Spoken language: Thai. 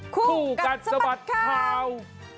คู่กัดสะบัดข่าว